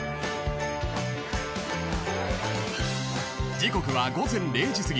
［時刻は午前０時すぎ］